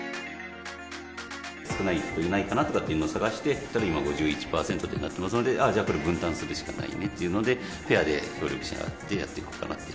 少ない人いないかなというのを探して、１人が５１％となっていますので、じゃあこれ、分担するしかないねということで、ペアで協力し合ってやっていこうかなって。